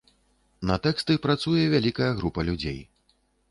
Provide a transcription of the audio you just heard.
На тэксты працуе вялікая група людзей.